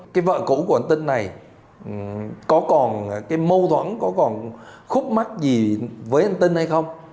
cái vợ cũ của anh tinh này có còn cái mâu thuẫn có còn khúc mắt gì với anh tinh hay không